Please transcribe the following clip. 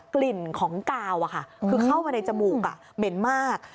กลิ่นของกาวคือเข้ามาในจมูกเหม็นมาก